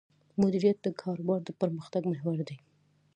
مدیریت د کاروبار د پرمختګ محور دی.